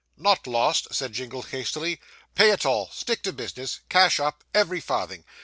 'Not lost,' said Jingle hastily, 'Pay it all stick to business cash up every farthing.